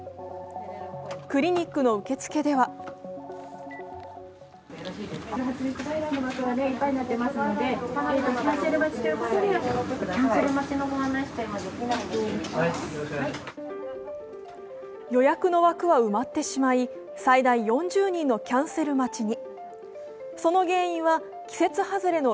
クリニックの受付では予約の枠は埋まってしまい、最大４０人のキャンセル待ちに。